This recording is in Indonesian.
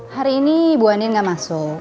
hari ini bu andin ga masuk